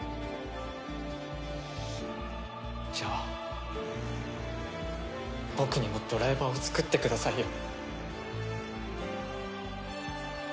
じゃあ僕にもドライバーを作ってくださいよ。